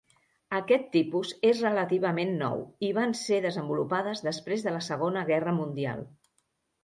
Aquest tipus és relativament nou i van ser desenvolupades després de la Segona Guerra Mundial.